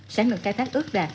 sáng lượt khai thác ước đạt